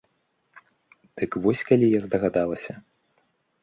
Дык вось калі я здагадалася!